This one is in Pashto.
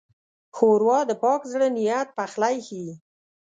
ښوروا د پاک زړه نیت پخلی ښيي.